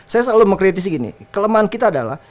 saya selalu mengkritisi gini kelemahan kita adalah